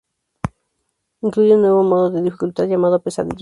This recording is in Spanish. Incluye un nuevo modo de dificultad llamado Pesadilla.